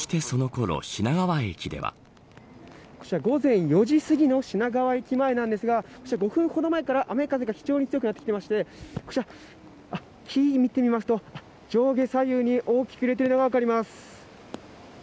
こちら、午前４時すぎの品川駅前なんですが５分ほど前から雨、風が非常に強くなってきてまして木々を見てみますと上下左右に大きく揺れているのが分かります。